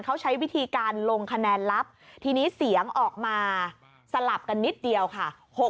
เขาใช้วิธีการลงคะแนนลับทีนี้เสียงออกมาสลับกันนิดเดียวค่ะ